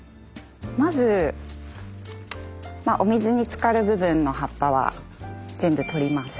まずお水につかる部分の葉っぱは全部取ります。